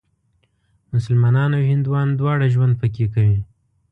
مسلمانان او هندوان دواړه ژوند پکې کوي.